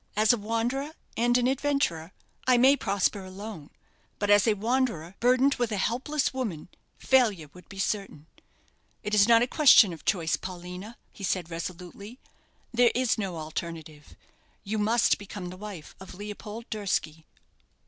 As a wanderer and an adventurer, I may prosper alone; but as a wanderer, burdened with a helpless woman, failure would be certain. It is not a question of choice, Paulina,' he said, resolutely; 'there is no alternative. You must become the wife of Leopold Durski.'"